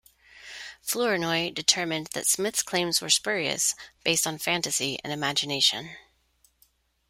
Flournoy determined that Smith's claims were spurious, based on fantasy and imagination.